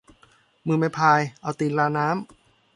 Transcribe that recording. มือไม่พาย เอาตีนราน้ำ